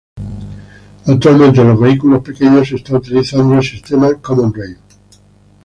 Actualmente en los vehículos pequeños se está utilizando el sistema "common-rail".